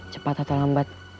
cepat atau lambat